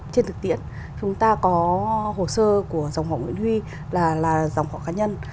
trên thực tiễn chúng ta có hồ sơ của dòng họ nguyễn huy là dòng họ cá nhân